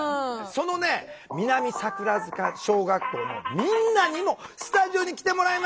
そのね南桜塚小学校のみんなにもスタジオに来てもらいましたよ。